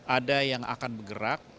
ada yang akan bergerak